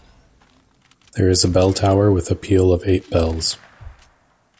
There is a bell tower with a peal of eight bells.